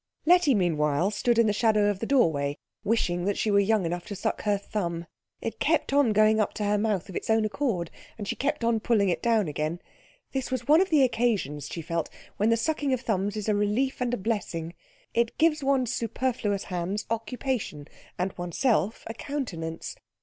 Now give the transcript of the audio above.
Letty meanwhile stood in the shadow of the doorway, wishing that she were young enough to suck her thumb. It kept on going up to her mouth of its own accord, and she kept on pulling it down again. This was one of the occasions, she felt, when the sucking of thumbs is a relief and a blessing. It gives one's superfluous hands occupation, and oneself a countenance.